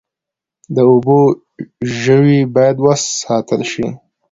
د اوبو ژوي باید وساتل شي